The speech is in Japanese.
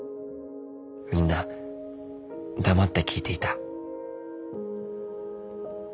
みんな黙って聞いていた